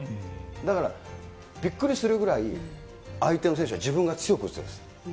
だから、びっくりするぐらい、相手の選手は自分が強く映る。